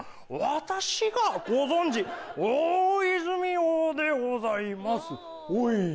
私がご存じ大泉洋でございます。